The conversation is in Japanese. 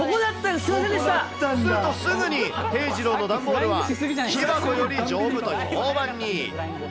するとすぐに、貞治郎の段ボールは木箱より丈夫と評判に。